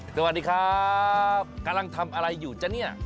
สวัสดีครับกำลังทำอะไรอยู่จ๊ะเนี่ย